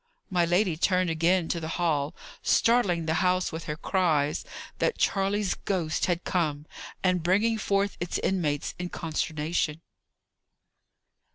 My lady turned again to the hall, startling the house with her cries, that Charley's ghost had come, and bringing forth its inmates in consternation.